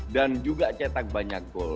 dan juga cetak banyak gol